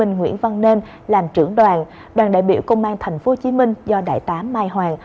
nguyễn văn nên làm trưởng đoàn đoàn đại biểu công an tp hcm do đại tá mai hoàng